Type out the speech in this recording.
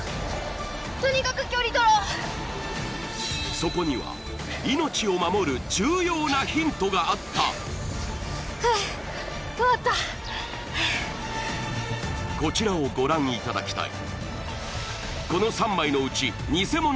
そこには命を守る重要なヒントがあったはあよかったこちらをご覧いただきたい